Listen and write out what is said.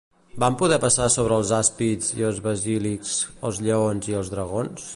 Van poder passar sobre els àspids i els basiliscs, els lleons i els dragons?